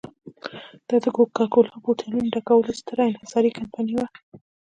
دا د کوکا کولا بوتلونو ډکولو ستره انحصاري کمپنۍ وه.